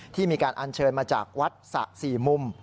มีการอัญเชิญมาจากวัดสะสี่มุม